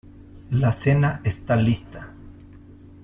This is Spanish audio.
La cena esta lista